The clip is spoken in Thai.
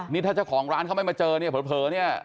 นี่ถ้าเจ้าของร้านเขาไม่มาเจอเนี่ยเผลอเนี่ย